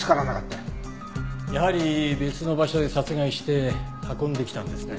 やはり別の場所で殺害して運んできたんですね。